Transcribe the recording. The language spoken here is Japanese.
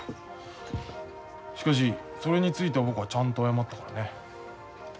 しかしそれについては僕はちゃんと謝ったからね。